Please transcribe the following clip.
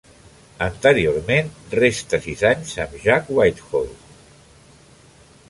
Anteriorment resta sis anys amb Jack Whitehall.